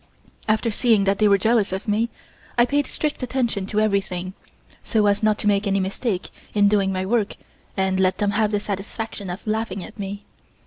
After seeing that they were jealous of me, I paid strict attention to everything, so as not to make any mistake in doing my work and let them have the satisfaction of laughing at me.